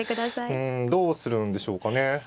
うんどうするんでしょうかね。